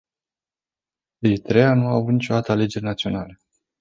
Eritreea nu a avut niciodată alegeri naționale.